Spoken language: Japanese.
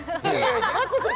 平子さん